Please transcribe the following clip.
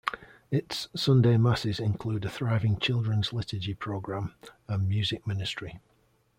Its Sunday masses include a thriving children's liturgy program and music ministry.